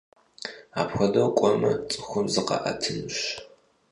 Апхуэдэу кӏуэмэ, цӏыхум зыкъаӏэтынущ.